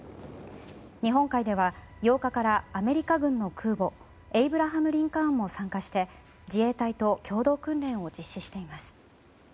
日本海では８日からアメリカ軍の空母「エイブラハム・リンカーン」も参加して自衛隊と共同訓練を実施しています。